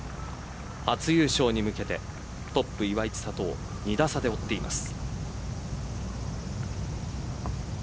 初優勝に向けてトップ岩井千怜を２打差で追っています。